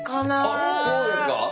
あそうですか？